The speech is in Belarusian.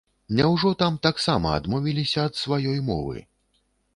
Няўжо там таксама адмовіліся ад сваёй мовы?